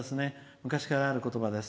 昔からある言葉です。